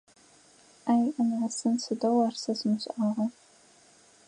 Аӏ-анасын, сыдэу ар сэ сымышӏагъа!